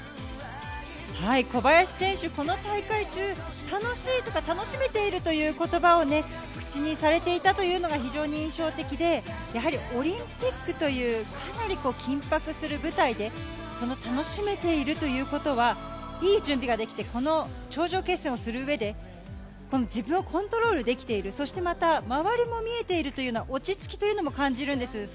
小林選手、この大会中、楽しいとか、楽しめているということばを口にされていたというのが非常に印象的で、やはりオリンピックという、かなり緊迫する舞台で、その楽しめているということは、いい準備ができていて、この頂上決戦をするうえで自分をコントロールできている、そしてまた、周りも見えているというような、落ち着きというのも感じるんです。